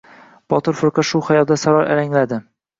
Botir firqa shu xayolda saroy alangladi.